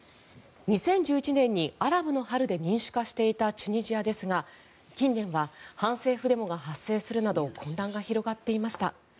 ２０１１年にアラブの春で民主化していたチュニジアですが近年は反政府デモが発生するなど混乱が広がっていました。